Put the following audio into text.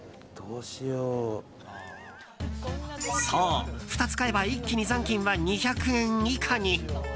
そう、２つ買えば一気に残金は２００円以下に。